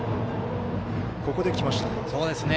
ここできましたね。